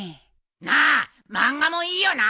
なあ漫画もいいよな？